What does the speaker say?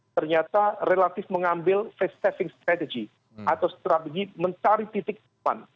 ternyata relatif mengambil face saving strategy atau strategi mencari titik depan